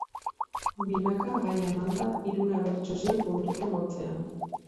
Binaka, gaia emanda, hiruna bertso sei puntuko motzean.